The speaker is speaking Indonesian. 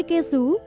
di kt kesu